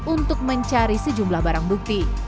untuk mencari sejumlah barang bukti